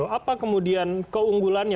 apa kemudian keunggulannya